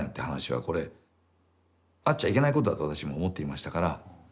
話はこれあっちゃいけないことだと私も思っていましたから。